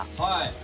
はい。